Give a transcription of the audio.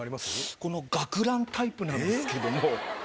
この学ランタイプなんですけども。